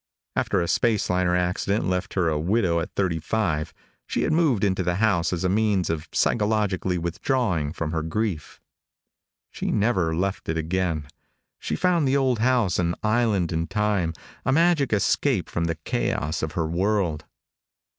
After a space liner accident left her a widow at thirty five, she had moved into the house as a means of psychologically withdrawing from her grief. She never left it again. She found the old house an island in time, a magic escape from the chaos of her world.